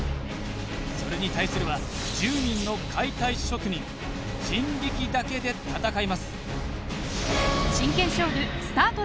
それに対するは１０人の解体職人人力だけで戦います